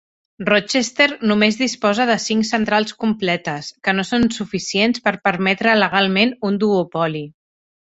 Rochester només disposa de cinc centrals completes, que no són suficients per permetre legalment un duopoli.